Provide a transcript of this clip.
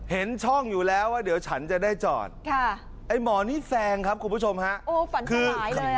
เห็นช่องอยู่แล้วว่าเดี๋ยวฉันจะได้จอดค่ะไอ้หมอนี่แซงครับคุณผู้ชมฮะโอ้ฝันคือหาย